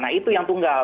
nah itu yang tunggal